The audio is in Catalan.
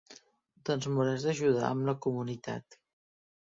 Doncs m'hauràs d'ajudar amb la comunitat.